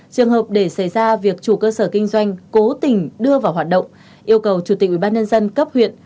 trường hợp để xảy ra việc chủ cơ sở kinh doanh cố tình đưa vào hoạt động yêu cầu chủ tịch ủy ban nhân dân cấp huyện